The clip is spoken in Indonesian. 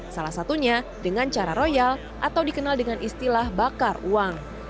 salah satunya dengan cara royal atau dikenal dengan istilah bakar uang